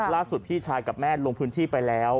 พี่ชายกับแม่ลงพื้นที่ไปแล้ว